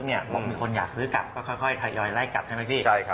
บอกมีคนอยากซื้อกลับก็ค่อยทยอยไล่กัดใช่ไหมพี่